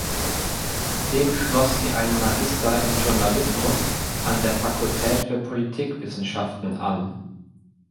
Dem schloss sie einen Magister in Journalismus an der Fakultät für Politikwissenschaften an.